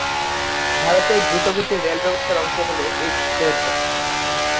ভারতের দ্রুতগতির রেল ব্যবস্থার অংশ হল এই রেলপথ।